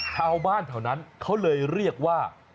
ชาวบ้านแถวนั้นเขาเลยเรียกว่า